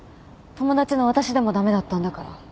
友達の私でも駄目だったんだから。